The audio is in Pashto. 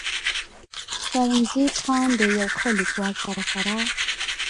“ سرنزېب خان د يو ښه ليکوال سره سره